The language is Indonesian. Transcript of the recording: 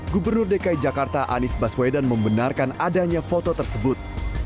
gubernur dki jakarta anies baswedan membenarkan adanya foto tersebut